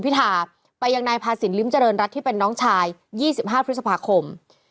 พิธาไปยังนายพาสินลิ้มเจริญรัฐที่เป็นน้องชาย๒๕พฤษภาคม